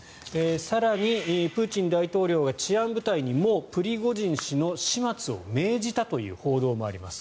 更に、プーチン大統領が治安部隊にもうプリゴジン氏の始末を命じたという報道もあります。